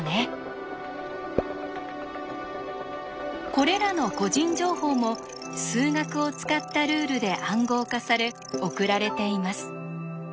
これらの個人情報も数学を使ったルールで暗号化され送られています。